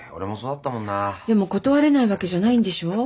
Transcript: でも断れないわけじゃないんでしょ？